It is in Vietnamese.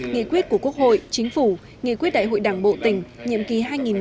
nghị quyết của quốc hội chính phủ nghị quyết đại hội đảng bộ tỉnh nhiệm kỳ hai nghìn một mươi năm hai nghìn hai mươi